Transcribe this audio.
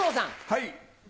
はい。